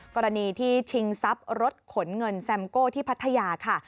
กรณีที่ชิงทรัพย์รถขนเงินแซมโก้ที่พัทยาค่ะ